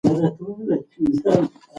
د تیو سرطان د ښځو لپاره لوی خطر دی.